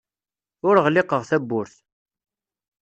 Ur ɣliqeɣ tawwurt.